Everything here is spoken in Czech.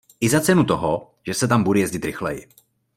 I za cenu toho, že se tam bude jezdit rychleji.